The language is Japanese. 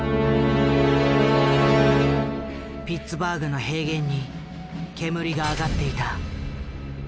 ピッツバーグの平原に煙が上がっていた。